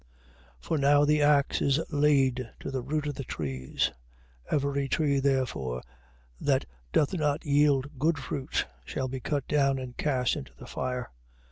3:10. For now the axe is laid to the root of the trees. Every tree therefore that doth not yield good fruit, shall be cut down, and cast into the fire.